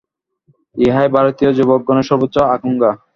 ইহাই ভারতীয় যুবকগণের সর্বোচ্চ আকাঙ্ক্ষা।